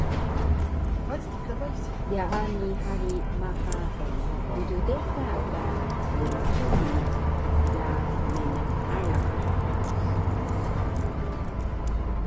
Yaani hari maha mddeka ka Yencuming ga meniq alang